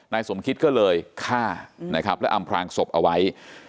สมคิดก็เลยฆ่านะครับแล้วอำพลางศพเอาไว้